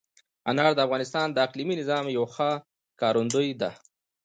انار د افغانستان د اقلیمي نظام یوه ښه ښکارندوی ده.